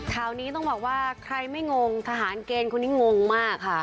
ข่าวนี้ต้องบอกว่าใครไม่งงทหารเกณฑ์คนนี้งงมากค่ะ